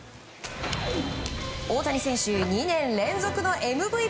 大谷選手、２年連続のＭＶＰへ。